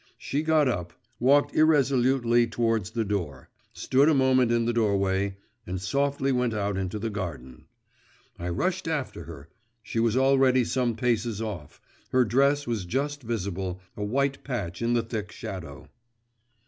She got up, walked irresolutely towards the door, stood a moment in the doorway, and softly went out into the garden. I rushed after her. She was already some paces off; her dress was just visible, a white patch in the thick shadow.